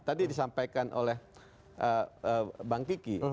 tadi disampaikan oleh bang kiki